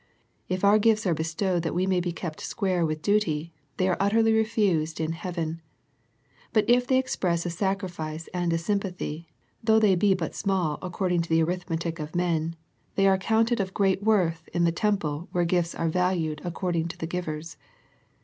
If our gifts are bestowed that we may be kept square with duty, they are utterly refused in heaven. But if they express a sac rifice and a sympathy, though they be but small according to the arithmetic of men, they are counted of great worth in that temple where gifts are valued according to the givers.